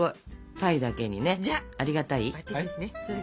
「鯛」だけにねありが「たい」？